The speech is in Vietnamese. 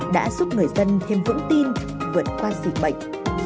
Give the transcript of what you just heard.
đã giúp người dân thêm vững tin vượt qua dịch bệnh